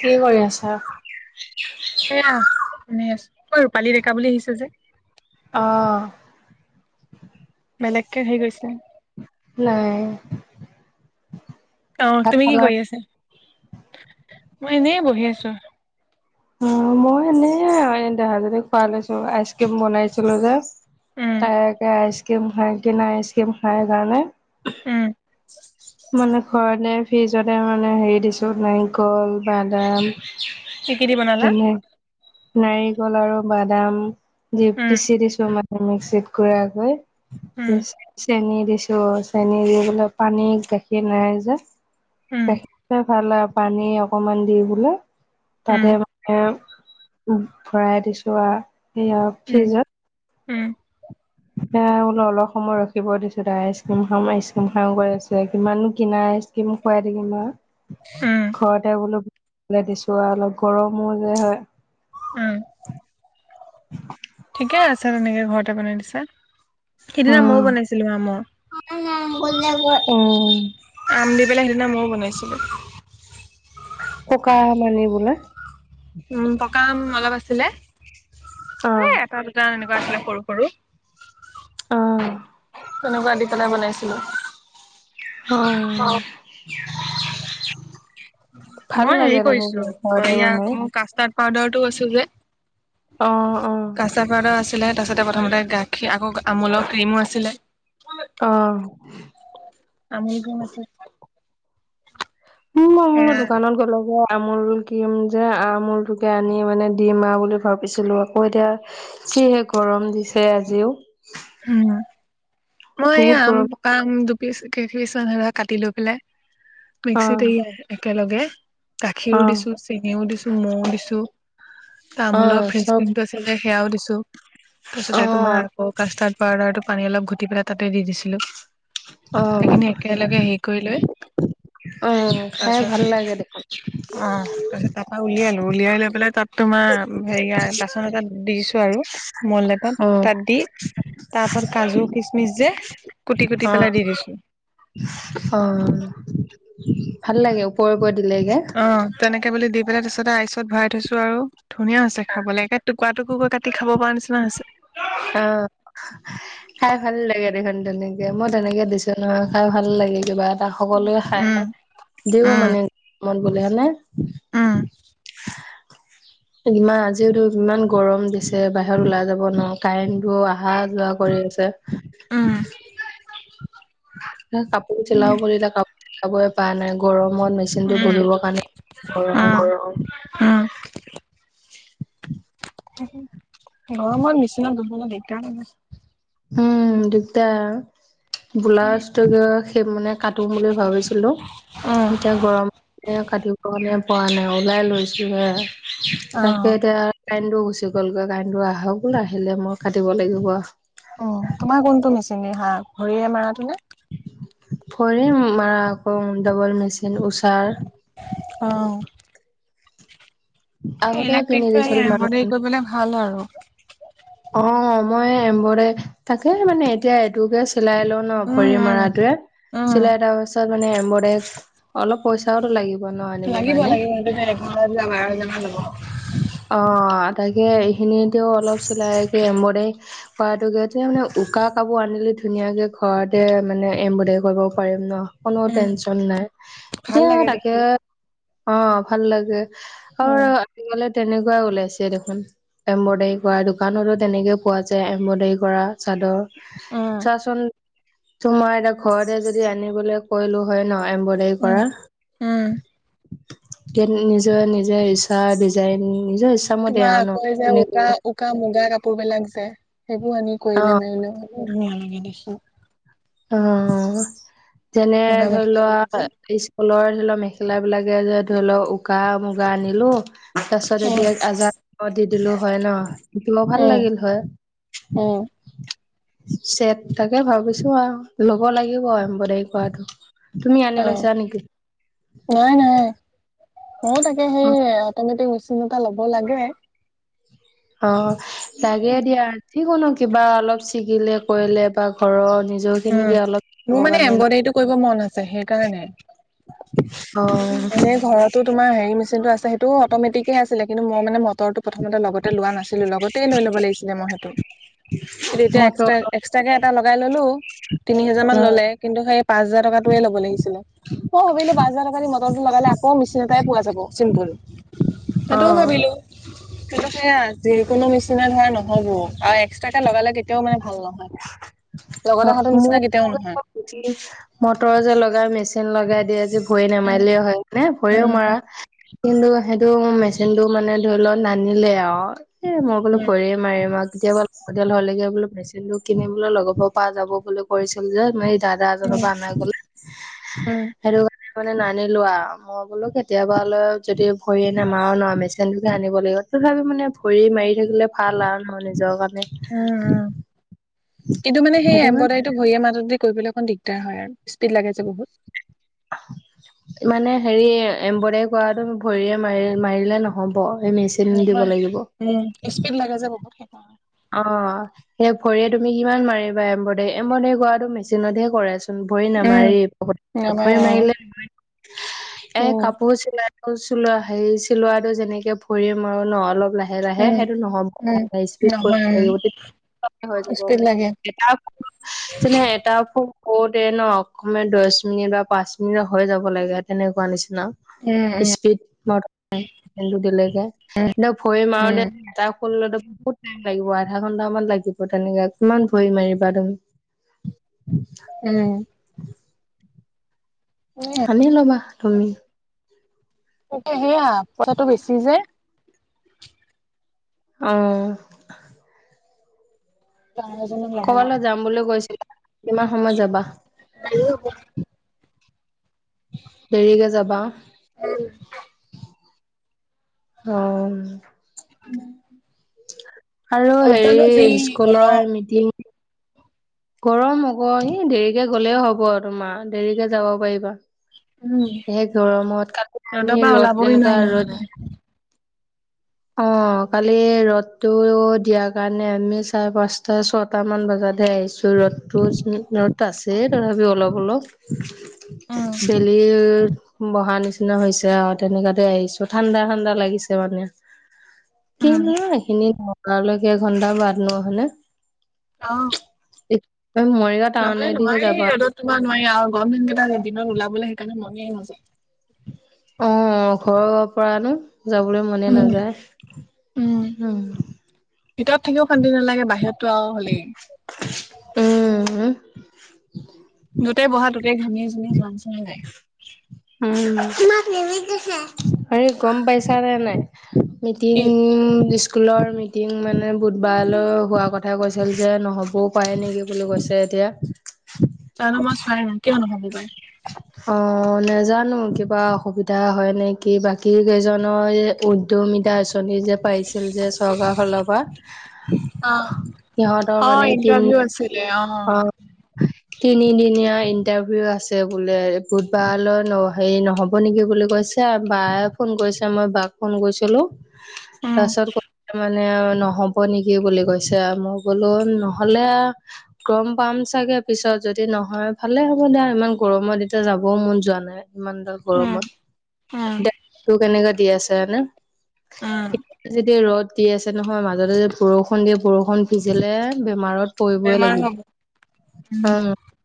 কি কৰি আছা? হে শুনে আছো ঐ ৰূপালী ডেকা বুলি আহিছ যে আহ বেলেগকে হেৰি গৈছে। নাই। আহ ভাত তুমি কি খালা? কৰি আছা মই এনে বহি আছো খোৱা লৈছো আইচক্ৰীম বনাইছিলো যে উম তাকে আইচ। কেম খায় কি নাই স কেম খায় গানে উম মানে ঘৰতে ফ্ৰিজতে মানে হেৰি দিছো নাৰিকল বাদাম কি কিদি বনালা তেনে নাৰিকল আৰু বাদাম দি উম পিচি দিছো মান। মিক্সিত উম গুৰাকৈ চেন দিছো চেনী দি পেলাই পানী। গাখীৰ নাই যে উম গাখীৰ ভাল আৰু পানী অকমান দি বোলে। উম তাতে মানে ভৰাই দিছো আৰু সয়া উম ফিজত উম এয়া বোলো অলপ সময় ৰখিব দিছো তাই আইচক্ৰীম খাৰ্ম আইচক্ৰীম খাৰ্ম কৰি আছে কিমানো কিনা। আইচক্ৰীম খুৱাই দিবি উম মোক ঘৰতে বোলো দিছো আৰু অলপ গৰমো যে হয় উম ঠিকে আছে তেনেকে ঘৰতে বনাই দিছে। সিদিনা উম ময়ও বনাইছিলো আমৰ। উম আম দি পেল সদিনা মইও বনাইছিলো পকা মানি বোলে উম পকাম অলপ আছিলে অ এ এটা দুটা এনেকা। আছিলে সৰু সৰু অ তেনেকুৱা দি পেলাই বনাইছিলো অ অ ভাল মই হেৰি লাগে তেনেকে কৰিছো ঘৰতে ই বনাই মোৰ কাষ্টাৰ্ড পাউদাৰতটো কৈছো যে। অ অ কাচাপাৰা আছে। আছিলে তাৰাছতে প্ৰথমতে গাখীৰ আকৌ আমোলৰ ক্ৰীমো আছিলে। আহ আমুল ক্ৰীম আছিলে উ মই মোলো সেয়া দোকানত গ'লো ব আমুল কিম যে আমুলটোকে আনি মানে দিম আৰু বুলি ভাবিছিলো আকৌ এতিয়া কিহে গৰম দিছে আজিও উ মই বহুত আম গৰম পকাম। পিচ কেই পিচ ম কাটি লৈ পেলাই মিক্সিত অ', একেলগে। গাখীৰো অ'। দিছো চেঙেও দিছো মৌও দিছো তামোলৰ অ', ফ্ৰেচ চব ক্ৰীমটো আছিল যে সেয়াও দিছো তাৰপিছতে তোমাৰ অ'। আকৌ কাষ্টাৰ্ড পাউাৰ। পানী অলপ ঘুটি পেলাই তাতে দি দিছিলো অ', সেইখিনি একেলগে হেৰি কৰি লৈ অ খাই তাৰপিছত ভাল লাগে দেখোন। অ তাৰপিছত তাৰপ পৰা উলিয়ালো উলিয়াই লৈ পেলাই তাত তোমাৰ হেৰিয় বাচন এটা দিছো। আৰু মল এটাত অ', তাত দি তাৰ পৰা কাজু খিচমিচ যে কুটি কুটি অ পেলাই দি দিছো। অ ভাল লাগে ওপৰে ওপৰ দিলেগে অ তেনেকে বুলি দি পেলাই তাছতে আইচত ভৰাই থৈছো আৰু ধুনীয়া হৈছে খাবলৈ একে টুকুৰা টুকু কাটি খাব পৰা নিচিনা হৈছে। অ খাই ভাল লাগে দেখোন তেনেকে মই তেনেকে দিছো নহয় খাই ভাল লাগে কিবা। তাক সকলোৱে খাই উম দিওঁ উম মানে মন গলে হেনে উম ইমান আজিওতো ইমান গৰম দিছে বাহিৰত ওলাই যাব নোৱাও। কাৰেণ্টো অহা যোৱা কৰি আছে। উম [unintelligible] কাপোৰ চিলাও বুলিলে কাপোৰ চিলাব পৰা নাই গৰম মন মেচিনটো উম বহিবৰ কাৰণে গৰম [inaudible] উম উম গৰমৰ নিচিনা দুব দিগদাৰ নে? উম দিগদাৰ। ব্লাউজটো সেই মানে কাটোঙ বুলি ভাবিছিলো। উম এতিয়া গৰম কেনে কাটো অণে পোৱা নাই ওলাই লৈছো হে অ তাকে এতিয়া কাইণ্টো গুচি গ'লগৈ কাইণ্টো আহক নাহিলে মই কাটিব লাগিব আ। উ তোমাৰ কোনটো মেচিনে হা ভৰিয়ে মাৰাটো নে? ভৰি মাৰা আক ডাবল মেচিন উষাৰ। অ আগতে কিনি ইলেক্ট্ৰিকটোৱে দিছিল হেৰি মানুহজনে কৰিবলে ভাল আৰু। অ মই এম্বডাৰে তাকে মানে এতিয়া এইটোকে চ- চিলাই লও ন উম ভৰি উম মৰাটোৱে উম চিলাই তাৰ পিছত মানে এম্বডাৰী অলপ পইচা তো লাগিব। ব ন আনিব লাগিব কাৰণে লাগিব সেইটো এঘাৰ হাজাৰ বাৰ হাজাৰ মান ল'ব অ তাকে এইখিনিতেও অলপ চিলাই এম্বডাৰি কৰাতো গে মানে উকা কাপোৰ আনিলে ধুনীয়াকে ঘৰতে মানে এম্বডাৰি কৰিব পাৰিম ন কোনো উম টেনচন নাই। ভাল এতিয়া লাগে তাকে দেখি অ ভাল লাগে আৰু উম, আজিকালি তেনেকোৱাই ওলাইছে দেখোন এম্বডাৰি কৰাটো দোকানলে তেনেকে পোৱা যায় এম্বডাৰি কৰা চাদৰ উম, চাহ চোন তোমাৰ এটা ঘৰতে যদি আনিবলৈ কৈলো হয় ন। এম্বডাৰী উম, কৰা উম, নিজে নিজে ৰিচা- ডিজাইন নিজৰ ইচ্ছা মতে তোমাৰ আও ন আকৌ এই যে উকা কোনে- উকা মুগা কাপোৰ বিলাক যে সেইবোৰ আনি অ কৰিলে মেলিলে ধুনীয়া লাগে দেখি। অ যেনে মুগা ধৰি মেখেলাবিলাক যে লোৱা স্কুলৰ ধৰি লও মেখেলা বিলাকে যে ধৰি লওক উকা মুগা আনিলো তাৰ পিছত উম, যদি আজাৰ দি দিলো হয় ন শিকিব ভাল লাগিল হয়। অহ চেট তাকে ভাবিছো আও ল'ব লাগিব এম্বডাৰি কৰাটো। তুমি আনি অ', লৈছা নেকি? অ তাকে সেই অ অটমেটিক মেচিন এটা লব লাগে। অ লাগে দিয়া যিকোনো কিবা অলপ ছিগিলে কৰিলে বা ঘৰত নিজৰ উম, খিনিকে অলপ মোৰ কৰিবৰ মানে কাৰণে ন এম্ব্ৰইডাৰীটো কৰিব মন আছে সেইকাৰণে অ এনে ঘৰতো তোমাৰ হেৰি মেচিনটো আছে সেইটো অটমেটিকে আছিলে কিন্তু মই মানে মটৰটো প্ৰথমতে লগতে লোৱা নাছিলো লগতে লৈ ল'ব লাগিছিলে মই সেইটো কিন্তু এতিয়া মটৰ এক্সট্ৰা এক্স- তাকে এটা লগাই ললো তিনি হেজাৰ মান অ ল'লে কিন্তু সেই পাঁচ হাজাৰ টোৱে ল'ব লাগিছিলে অ ভাবিলো পাঁ হাজাৰ টকা ম- টো লগালে আকৌ মিচিন এটাই পোৱা যাব চিম্পুল অ সেইটোও ভাবিলো। কিন্তু সেয়া যিকোনো নিচিনা ধৰা নহব আৰু এক্সট্ৰাকে লগালে কেতিয়াও মানে ভাল নহয়। লগতে অ অহাটো নিচিনা কেতিয়াও নহয় মোৰ মটৰ যে লগ লগ মেচিন লগাই দিয়ে যে ভৰি উম নেমাৰিলেও হয় নে ভৰিও মৰা উম কিন্তু সেইটোৰ মেচিন টো মানে ধৰি লওক নানিলে আও এ মই বোলো উম ভৰিয়ে মাৰিম আও কেতিয়াবা লাগতিয়াল হলেগে বোলে মেচিনটো কিনিম বোলে লগবোৰৰ পৰা যাব বুলি কৈছিল যে দাদা এজন উম উম পা আনাগ বোলে উম সেইটো মানে নানিলোও মই বোলো কেতিয়াবা ল যদি ভৰি নমাৰো ন মেচিনটোকে আনিব লাগিব। তথাপি মানে ভৰি মাৰি থাকিলে ভাল আও ন নিজৰ কাৰণে উম কিন্তু মানে সেই সেইটো কাৰণে এম্ব্ৰইডাৰীটো ভৰিয়া মাতত দি কৰিবলৈ অকণ দিগদাৰ হয় আৰু স্পীড লাগে যে বহুত মানে হেৰি এম্ব্ৰইডাৰী কৰাটো ভৰিয়ে মাৰি মাৰিলে নহব মেচিন দিব নহয় লাগিব উম স্পীড লাগে যে বহুত সেইকাৰণে অ সেই ভৰিয়ে তুমি কিমান মাৰিবা এম্বডাৰী এম্বডাৰী কৰাটো মেচিনতহে কৰে চোন ভৰি উম নামাৰে নাপায় ভৰি অ মাৰিলে এ উম কাপোৰ চিলাই অ চিলোৱা হেৰি চিলোৱাটো যেনেকে ভৰিৰে মাৰো ন অলপ লা হে লাহে উম সেইটো নহ'ব উম সেইটো স্পীড কৰে নহয় হৈ উম যাব স্পীড মানে লাগে এটা যেনে এটা অ দে ন অকমান দহ মিনিট বা পাঁচ মিনিট হৈ যাব লাগে তেনেকোৱা নিচিনা ন উম উম স্পীড নত টো দিলেগে এ ভৰি মাৰো দে উম এটা খোল বহুত টাইম লাগিব আধা ঘন্টামান লাগিব তেনেকে কিমান ভৰি মাৰিবা তুমি উম উম, আনি ল'বা তুমি তাকে সেয়া পইচাটো বেছি যে অ ল'ৰা এজনক ল'ব কবালৈ যাম বুলি কৈছিলা কিমান সময়ত যাবা দেৰিকে যাবা উম অ উ আৰু হেৰি স্কুলৰ মিটিং গৰম আকৌ ই দেৰিকে গলেও হব তোমাৰ দেৰিকে যাব পাৰিবা। উম সেই গৰমত আক ৰ'দৰ আমি পৰা ৰ'দ ওলাবই এনেকোৱা নোৱাৰি ৰ'দ নহ'লে উ অ কালি ৰ'দটো দিয়াৰ কাৰণে আমি চাৰে পাঁচটা ছটা মান বজাতহে আহিছো। ৰ'দতো ৰদ আছে তথাপিও অলপ অলপ উম চেলি বহা নিচিনা হৈছে আৰু তেনেকাতে আহিছো ঠাণ্ডা ঠাণ্ডা লাগিছে মানে। উম কিনোৱা এইখিনি নকৰালৈকে এঘন্টা বাদ নহলে অহ মৰিগাঁও নহয় টাউনেদিহে নোৱাৰি যাবা ৰ'দত তোমাৰ নোৱাৰি আও গৰম দিনকেইটাত এ দিনত ওলাবলে সেইকাৰণে মনে নাযায় অ ঘৰৰ পৰা আনো যাবলৈ মনে উম নাযায়। উম ভিতৰত থাকিও শান্তি নালাগে বাহিৰততো আও হলেই উম উ গোটেই ঘামি জুমি যোৱা নিচিনা লাগে হ গম পাইছা নে নাই। মিতিং কি দি স্কুলৰ মিটিং মানে বুধবাৰলৈ হোৱা কথা কৈছিল যে নহ'বও পাৰে নেকি বুলি কৈছে। এতিয়া তামানে মই চোৱাই কিয় নহ'ব পাই। অ নাজানো কিবা অসুবিধা হয় নেকি বাকী কেইজনৰ দু মিদা আঁচনি যে পাৰিছিল যে চৰকাৰৰ ফালৰ পৰা অ সিহঁতৰ। অ মানে তিন ইণ্টাৰভিউ আছিলে অ তিনি দিনীয়া ইন্টাৰভিউ আছে বোলে বুধবাৰলৈ হেৰি নহব নেকি বুলি কৈছে। ছে বায়ে ফোন কৰিছে মই বাক ফোন কৰিছিলো উম তাৰ পিছত। মানে নহব নেকি বুলি কৈছে মই বোলো নহলে। গৰম পাম চাগে পিছত যদি নহয় ভালে হ'ব দিয়া ইমান গৰমৰ এতিয়া যাবও মন যোৱা নাই ইমানডাল উম গৰমত উম, দেত টো কেনেকে দি আছে হয় নে? উম, এত যদি ৰ'দ দি আছে নহয় মাজতে যেদি বৰষুন দিয়ে বৰষুণ ভিজিলে বে। মাৰত পৰিবই বেমাৰ হ'ব লাগিব অ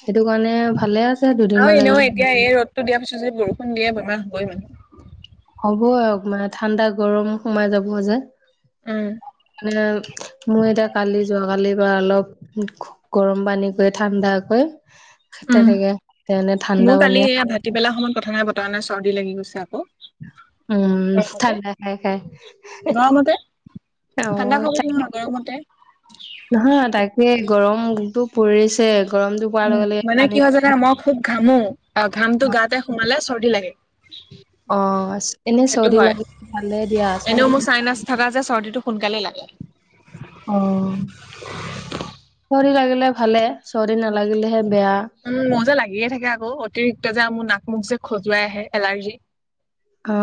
সেইটো কাৰণে ভালে আছে অ দুদিনমান এনেও লাগিলে এতিয়া এই ৰদতটো দিয়াৰ পিছত যে বৰষুণ দিয়ে বেমাৰ হবই মানুহ। হ'ব আৰু মানে ঠাণ্ডা গৰম সোমাই যাব যে। উম মই এতিয়া কালি যোৱাকালিৰ পৰা অলপ গৰম পানী কৰি ঠাণ্ডাকৈ উম তেনেকে তেনে ঠাণ্ডা মোৰ কালি পানীয়ে এয়া ভাটিবেলা সময়ত কথা নাই বতৰা নাই চৰ্দি লাগি গৈছে আক উম ঠাণ্ডা খাই খাই গৰমতে ঠাণ্ডা খাবৰ নহয় গৰমতে। নহা তাকে গৰমটো পৰিছে গৰমটো পোৱাৰ উম লগে লগে পানী অ ঘাম টো গাতে সোমালে চৰ্দি লাগে অ এনে সেইটো চৰ্দি হয় লাগিলে ভালে দিয়া এনেও চৰ্দি মোৰ চাইনাছ থকা যে চৰ্দিটো। সোনকালে লাগে অ চৰ্দি লাগিলে ভালে চৰ্দি নালাগিলেহে বেয়া উম মো যে লাগিয়ে থাকে আকৌ অতিৰিক্ত যে মো নাক মুখ যে খজুৱাই আহে এলাৰ্জি অ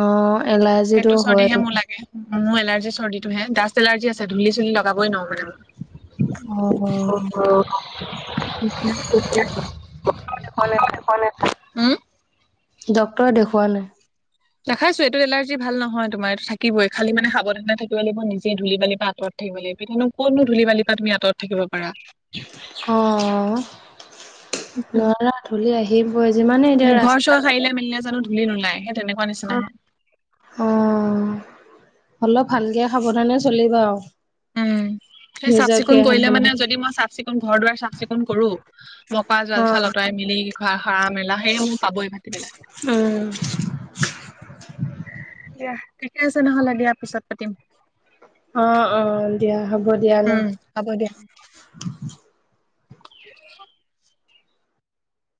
এলাৰ্জিটো সেইটো হয় চৰ্দিহে মোৰ লাগে মোৰ এলাৰ্জি চৰ্দিটোহে ডাষ্ট এলাৰ্জি আছে ধূল চুলি লগাবই নোৱাৰো মানে অ অ [unintelligible] হম ডক্তৰে দেখুওৱা নাই দেখাইছো এইটো এলাৰ্জি ভাল নহয় তোমাৰ এইটো থাকিবই খালি মানে সাৱধানা থাকিব লাগিব নিজে ধলি বালি পা আতৰত থা। থাকিব লাগিব এতিয়া নো কত নো ধুলি বালি তুমি আঁতৰত থাকিব পাৰা অ নোৱাৰা ধুলি আহি ঘৰ চৰ সাৰিলে মেলিলে জানো ধূলি নোলাই সেই তেনেকুৱা নিচিনাহে অ অলপ ভালকে সাৱধানে চলিবা আও উম সেই চাফ নিজকে চিকুণ হয় কৰিলে নে মানে নহয় যদি মই চাফ চিকুণ ঘৰ দুৱাৰ চাফ চিকুণ কৰো মকৰা জাল অ চাল লতৰাই মেলি ঘৰ সৰা মেলা সেয়ে মোৰ পাবই ভতিবেলা উ দিয়া ঠিকে আছে নহ'লে দিয়া পিছত পাতিম। অ অ দিয়া হ'ব দিয়া ন। উম হ'ব দিয়া [unintelligible]